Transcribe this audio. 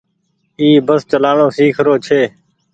اي بس چلآڻو سيک رو ڇي۔